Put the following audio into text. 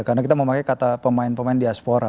karena kita memakai kata pemain pemain diaspora